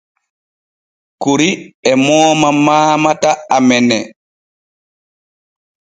Kuuri e mooma mamata amene.